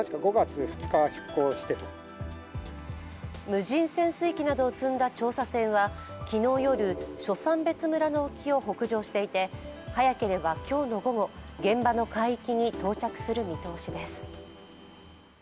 無人潜水機などを積んだ調査船は昨日夜初山別村の沖を北上していて早ければ今日の午後、現場の海域に到着する見通しです。